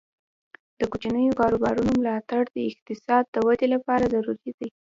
د کوچنیو کاروبارونو ملاتړ د اقتصاد د ودې لپاره ضروري دی.